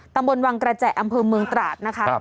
ตำบลวังกระแจอำเภอเมืองตราดนะคะ